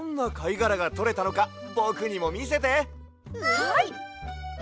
はい！